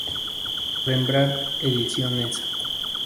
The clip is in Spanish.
Rembrandt Ediciones.